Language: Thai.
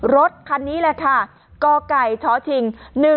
รถคันนี้แหละค่ะกไก่ชชิง๑๑